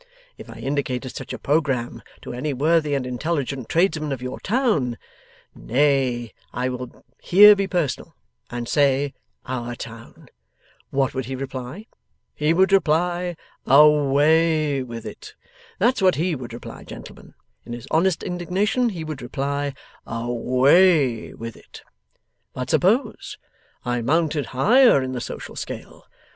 If I indicated such a programme to any worthy and intelligent tradesman of your town nay, I will here be personal, and say Our town what would he reply? He would reply, "Away with it!" That's what HE would reply, gentlemen. In his honest indignation he would reply, "Away with it!" But suppose I mounted higher in the social scale.